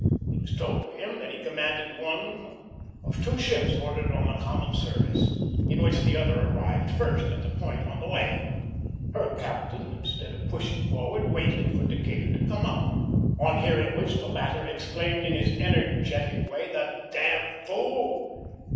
It is told of him that he commanded one of two ships ordered on a common service, in which the other arrived first at a point on the way. Her captain, instead of pushing forward, waited for Decatur to come up; on hearing which the latter exclaimed in his energetic way, 'The d d fool!'"